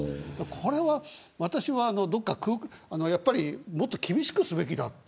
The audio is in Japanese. これは私はもっと厳しくすべきだって。